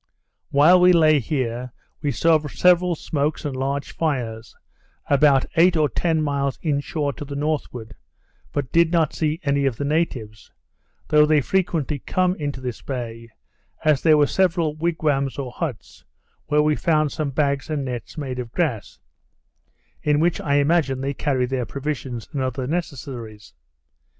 While we lay here, we saw several smokes and large fires, about eight or ten miles in shore to the northward, but did not see any of the natives; though they frequently come into this bay, as there were several wigwams or huts, where we found some bags and nets made of grass, in which I imagine they carry their provisions and other necessaries.